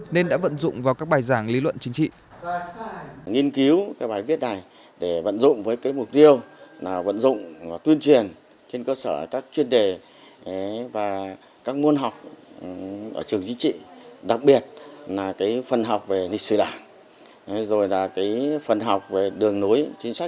nên đã vận dụng vào các bài giảng lý luận chính trị